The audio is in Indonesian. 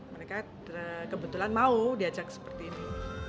mereka kebetulan mau diajak seperti ini